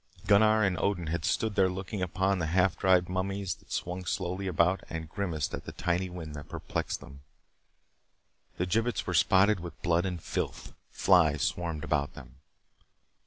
Gunnar and Odin had stood there looking up at the half dried mummies that swung slowly about and grimaced at the tiny wind that perplexed them. The gibbets were spotted with blood and filth. Flies swarmed about them.